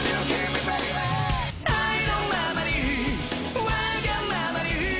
愛のままにわがままに